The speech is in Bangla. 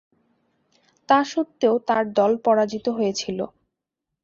তা স্বত্ত্বেও তার দল পরাজিত হয়েছিল।